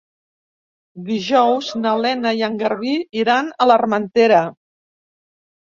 Dijous na Lena i en Garbí iran a l'Armentera.